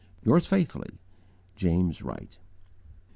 "Yours faithfully, "JAMES WRIGHT."